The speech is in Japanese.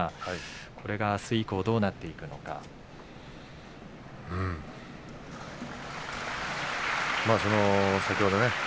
これがあす以降どうなっていくんでしょう。